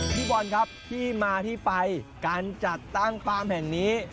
พี่บอลครับที่มาที่ไปการจัดตั้งฟาร์มแห่งนี้